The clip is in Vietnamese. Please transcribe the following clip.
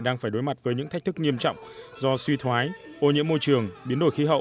đang phải đối mặt với những thách thức nghiêm trọng do suy thoái ô nhiễm môi trường biến đổi khí hậu